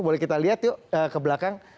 boleh kita lihat yuk ke belakang